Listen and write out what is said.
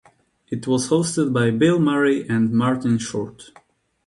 It was hosted by Bill Murray and Martin Short.